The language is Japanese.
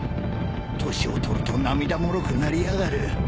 年を取ると涙もろくなりやがる。